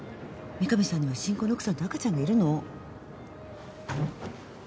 三上さんには新婚の奥さんと赤ちゃんがいるの。